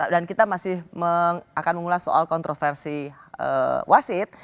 dan kita masih akan mengulas soal kontroversi wasid